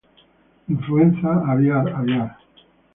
Influenza aviar Aviar